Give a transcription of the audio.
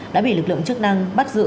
đã bị lực lượng chức năng bắt giữ